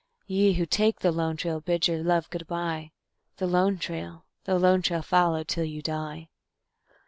Ye who take the Lone Trail, bid your love good by; The Lone Trail, the Lone Trail follow till you die.